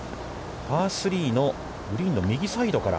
パー３のグリーンの右サイドから。